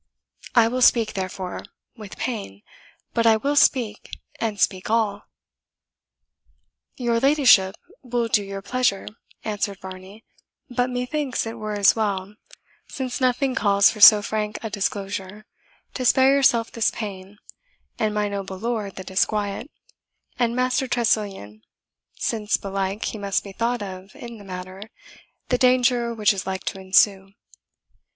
I will speak, therefore, with pain, but I will speak, and speak all." "Your ladyship will do your pleasure," answered Varney; "but methinks it were as well, since nothing calls for so frank a disclosure, to spare yourself this pain, and my noble lord the disquiet, and Master Tressilian, since belike he must be thought of in the matter, the danger which is like to ensue."